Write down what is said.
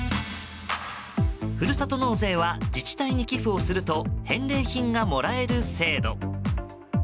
ふるさと納税は自治体に寄付をすると返礼品がもらえる制度。